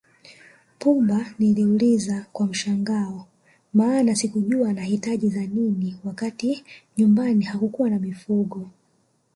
Pumba niliuliza kwa mshangao maana sikujua anahitaji za nini wakati nyumbani hatukuwa na mifugo